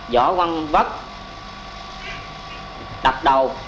vỏ quăng vất đập đầu